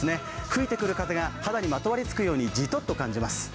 吹いてくる風が肌にまとわりつくように、じとっと感じます。